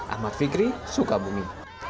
ahmad fikri sukabumi